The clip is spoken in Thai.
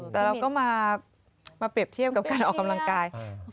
แต่เราก็มาเปรียบเทียบกับการออกกำลังกาย